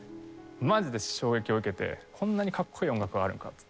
マジで衝撃を受けてこんなにかっこいい音楽があるのかって。